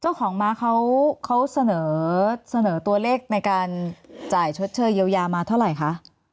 เจ้าของม้าเขาเสนอตัวเลขในการจ่ายชดเชยเยียวยามาเท่าไหร่คะ